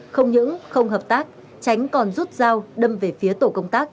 không những không hợp tác tránh còn rút dao đâm về phía tổ công tác